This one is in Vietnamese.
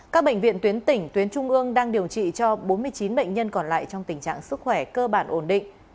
các bệnh viện tuyến tỉnh tuyến trung ương đang điều trị cho bốn mươi chín bệnh nhân còn lại trong tình trạng sức khỏe cơ bản ổn định